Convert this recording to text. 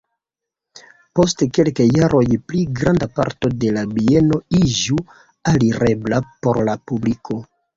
Post kelkaj jaroj pli granda parto de la bieno iĝu alirebla por la publiko.